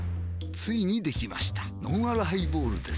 ついにできましたのんあるハイボールです